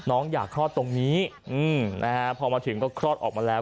น้องอยากคลอดตรงนี้นะฮะพอมาถึงก็คลอดออกมาแล้ว